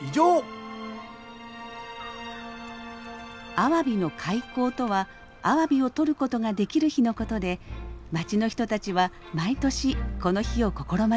アワビの開口とはアワビをとることができる日のことで町の人たちは毎年この日を心待ちにしています。